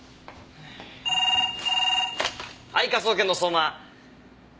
はい科捜研の相馬。